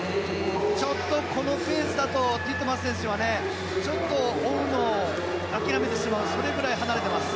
ちょっとこのペースだとティットマス選手はちょっと追うのを諦めてしまうそれぐらい離れています。